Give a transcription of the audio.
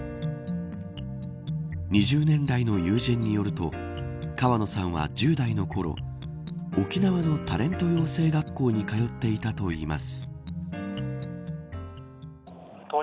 ２０年来の友人によると川野さんは、１０代のころ沖縄のタレント養成学校に通っていたといいます。